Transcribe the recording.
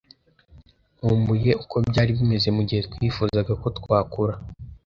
Nkumbuye uko byari bimeze mugihe twifuzaga ko twakura